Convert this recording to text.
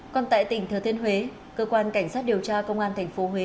còn tại tỉnh thừa thiên huế cơ quan cảnh sát điều tra công an thành phố huế